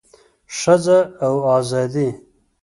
ښځه او ازادي